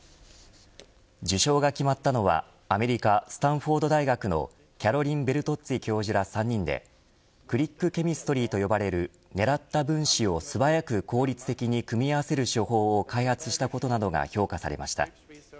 受賞が決まったのはアメリカ、スタンフォード大学のキャロリン・ベルトッツィ教授ら３人でクリックケミストリーと呼ばれる狙った分子を素早く効率的に組み合わせる手法を開発したことなどが評価されました。